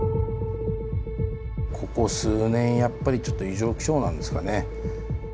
ここ数年やっぱりちょっと異常気象なんですかね。